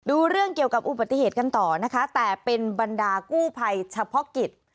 เรื่องเกี่ยวกับอุบัติเหตุกันต่อนะคะแต่เป็นบรรดากู้ภัยเฉพาะกิจ